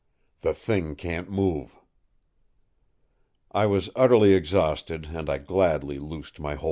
The Thing can’t move.” I was utterly exhausted, and I gladly loosed my hold.